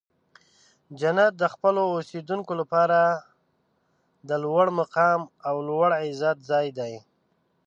جنت د خپلو اوسیدونکو لپاره د لوړ مقام او لوړ عزت ځای دی.